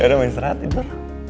yaudah mau istirahat tidur